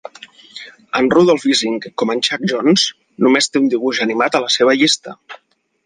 En Rudolf Ising, com en Chuck Jones, només té un dibuix animat a la seva llista.